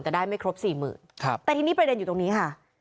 แต่ได้ไม่ครบสี่หมื่นครับแต่ทีนี้ประเด็นอยู่ตรงนี้ค่ะ